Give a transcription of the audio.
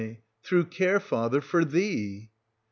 Through care, father, for thee.